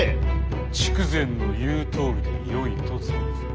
筑前の言うとおりでよいと存ずる。